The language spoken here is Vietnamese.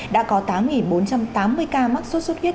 đã có tám bốn trăm tám mươi ca mắc sốt xuất huyết